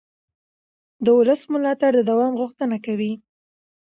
د ولس ملاتړ د دوام غوښتنه کوي